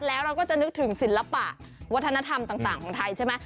แล้วเราก็จะนึกถึงศิลปะวัฒนธรรมต่างของไทยใช่ไหม